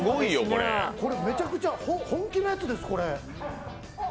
これ、めちゃくちゃ本気のやつです。